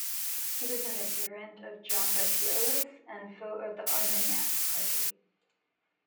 He was an adherent of John the Fearless and foe of the Armagnac party.